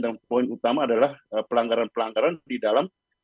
poin utama adalah pelanggaran pelanggaran di dalam